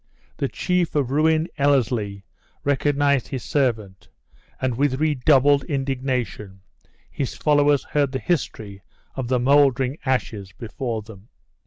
The chief of ruined Ellerslie recognized his servant; and, with redoubled indignation, his followers heard the history of the moldering ashes before them."